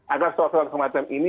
agar soal soal semacam ini